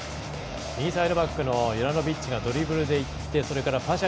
右サイドバックのユラノビッチがドリブルでいってパシャ